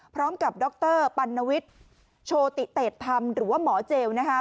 พร้อมกับดรปัณณวิทย์โชติเตศพรรมหรือว่าหมอเจวน์นะคะ